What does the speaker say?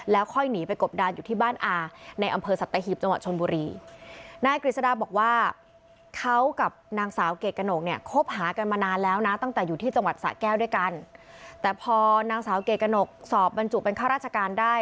แล้วค่อยหนีไปกบดาลอยู่ที่บ้านอาในอำเฟิร์สัตว์ไต้ฮิกจังหวัดชนบุรี